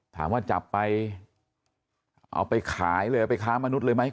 ถามว่าจับไปเอาไปขายเลยเอาไปค้ามนุษย์เลยไหม